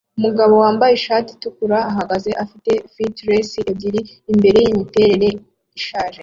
Umugabo wambaye ishati itukura ahagaze afite fitles ebyiri imbere yimiterere ishaje